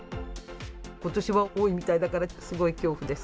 ことしは多いみたいだから、すごい恐怖です。